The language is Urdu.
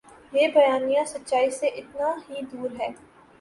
یہ بیانیہ سچائی سے اتنا ہی دور ہے۔